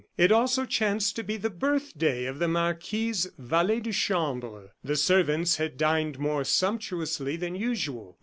It also chanced to be the birthday of the marquis's valet de chambre. The servants had dined more sumptuously than usual.